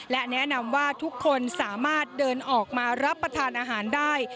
และแนะนำว่าทุกคนสามารถเดินออกมารับประทานอาหารได้